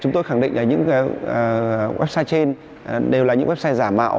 chúng tôi khẳng định là những website trên đều là những website giả mạo